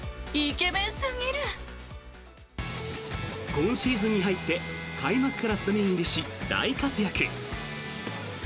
今シーズンに入って開幕からスタメン入りし大活躍。